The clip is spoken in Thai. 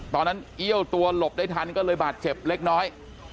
เอี้ยวตัวหลบได้ทันก็เลยบาดเจ็บเล็กน้อย